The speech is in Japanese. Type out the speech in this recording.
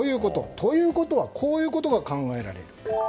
ということはこういうことが考えられる。